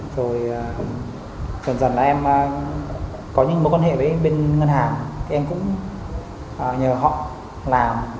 rồi dần dần là em có những mối quan hệ với bên ngân hàng thì em cũng nhờ họ làm